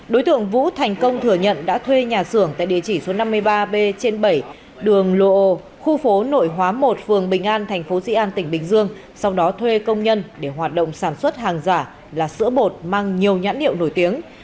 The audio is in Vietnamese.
đối tượng vũ thành công thừa nhận đã thuê nhà sưởng tại địa chỉ số năm mươi ba b trên bảy đường lộ khu phố nội hóa một phường bình an tp hcm sau đó thuê công nhân để hoạt động sản xuất hàng giả là sữa bột mang nhiều nhãn hiệu nổi tiếng